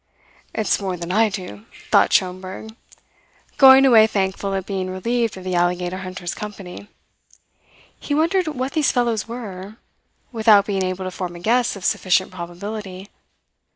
"It's more than I do," thought Schomberg, going away thankful at being relieved of the alligator hunter's company. He wondered what these fellows were, without being able to form a guess of sufficient probability.